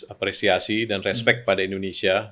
apresiasi dan respect pada indonesia